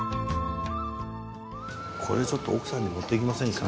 これちょっと奥さんに持っていきませんか？